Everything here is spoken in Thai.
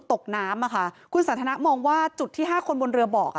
ตกน้ำอ่ะค่ะคุณสันทนามองว่าจุดที่ห้าคนบนเรือบอกอ่ะ